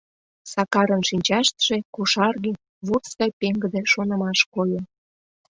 Сакарын шинчаштыже — кошарге, вурс гай пеҥгыде шонымаш койо.